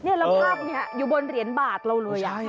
แล้วภาพนี้อยู่บนเหรียญบาทเราเลย